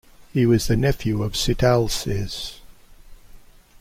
He was the nephew of Sitalces.